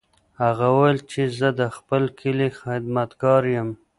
هغه وویل چې زه د خپل کلي خدمتګار یم.